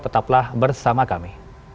tetaplah bersama kami